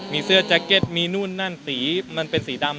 มีเสื้อแจ็คเก็ตมีนู่นนั่นสีมันเป็นสีดำ